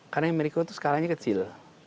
karena yang mikro itu skalanya kecil